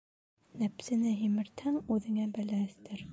Нәпсене һимертһәң, үҙеңә бәлә өҫтәр.